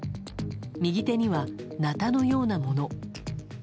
右手には、なたのようなもの。